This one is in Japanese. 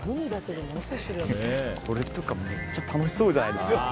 これとかめっちゃ楽しそうじゃないですか？